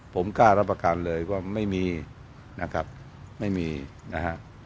ผมกล้ารับประกันเลยว่าไม่มีนะครับไม่มีนะฮะ